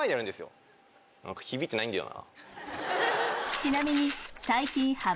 ちなみに。